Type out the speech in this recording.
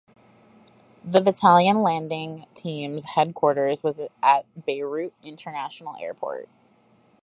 The Battalion Landing Team's headquarters was at Beirut International Airport.